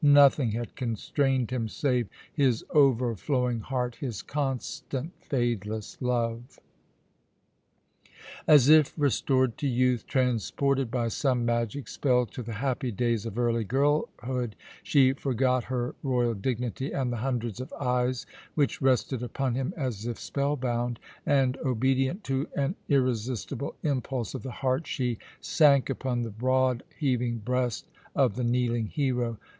Nothing had constrained him, save his overflowing heart, his constant, fadeless love. As if restored to youth, transported by some magic spell to the happy days of early girlhood, she forgot her royal dignity and the hundreds of eyes which rested upon him as if spell bound; and, obedient to an irresistible impulse of the heart, she sank upon the broad, heaving breast of the kneeling hero.